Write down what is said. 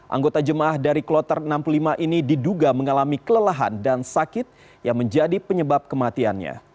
anggota jemaah dari kloter enam puluh lima ini diduga mengalami kelelahan dan sakit yang menjadi penyebab kematiannya